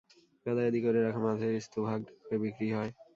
গাদাগাদি করে রাখা মাছের স্তুপ হাঁকডাক হয়ে বিক্রি হয়।